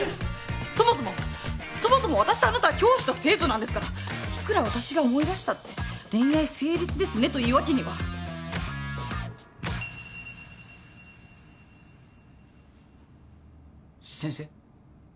そもそもそもそも私とあなたは教師と生徒なんですからいくら私が思い出したって恋愛成立ですねというわけには先生？